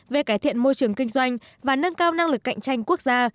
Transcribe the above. về cải thiện môi trường kinh doanh và nâng cao năng lực cạnh tranh quốc gia